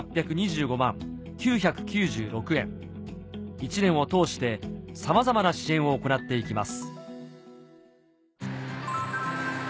１年を通してさまざまな支援を行っていきます